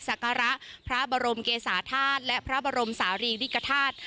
เข้ากราบศักรรณ์พระบรมเกษาธาตุและพระบรมสารีริกฐาตุ